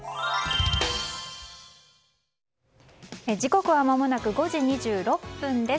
時刻はまもなく５時２６分です。